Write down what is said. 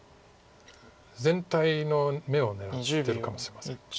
全体の眼を狙ってるかもしれません。